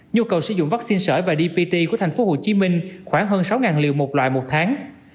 nhu cầu sử dụng vaccine sởi và dpt của tp hcm khoảng hơn sáu liều một loại một tháng